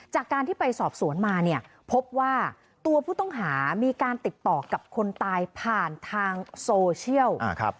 จากการที่ไปสอบสวนมาเนี่ยพบว่าตัวผู้ต้องหามีการติดต่อกับคนตายผ่านทางโซเชียล